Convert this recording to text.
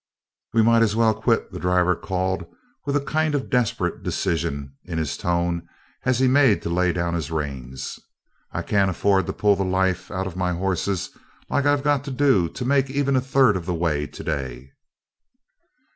"We might as well quit," the driver called with a kind of desperate decision in his tone as he made to lay down the reins. "I can't afford to pull the life out of my horses like I got to do to make even a third of the way to day."